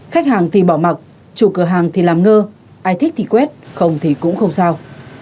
khách hàng thì bỏ mặt chủ cửa hàng thì làm ngơ ai thích thì quét không thì cũng không sao